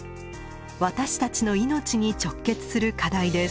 私たちの命に直結する課題です。